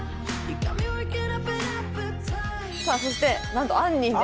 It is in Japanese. さあそしてなんとあんにんです。